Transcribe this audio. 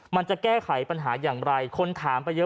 มันจะแก้ไขปัญหาอย่างไรคนถามไปเยอะ